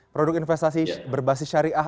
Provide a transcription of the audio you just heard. produk investasi berbasis syariah